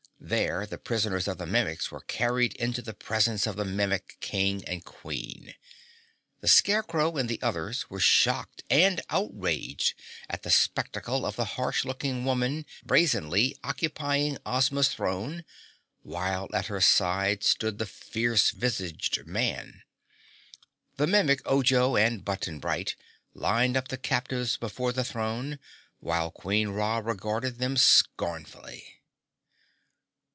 There the prisoners of the Mimics were carried into the presence of the Mimic King and Queen. The Scarecrow and the others were shocked and outraged at the spectacle of the harsh looking woman brazenly occupying Ozma's throne, while at her side stood the fierce visaged man. The Mimic Ojo and Button Bright lined up the captives before the throne, while Queen Ra regarded them scornfully.